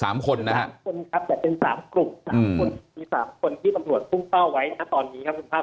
สามคนครับแต่เป็นสามกลุ่ม๓คนมีสามคนที่ตำรวจพุ่งเป้าไว้ค่ะตอนนี้ครับ